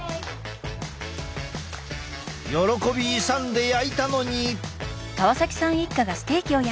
喜び勇んで焼いたのに。